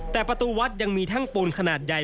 แต่ประตูวัดยังมีแท่งปูนขนาดใหญ่